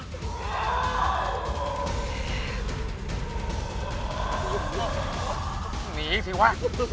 หนีที่วะ